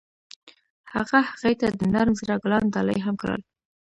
هغه هغې ته د نرم زړه ګلان ډالۍ هم کړل.